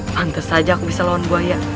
pantas saja aku bisa lawan buaya